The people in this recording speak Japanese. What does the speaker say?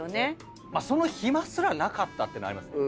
その暇すらなかったっていうのありますね。